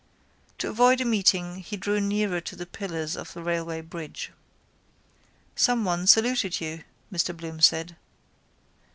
To avoid a meeting he drew nearer to the pillars of the railway bridge. —Someone saluted you, Mr Bloom said.